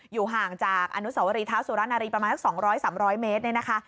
อยู่ห่างจากอนุสาวรีเท้าสุรนารีประมาณ๒๐๐๓๐๐เมตร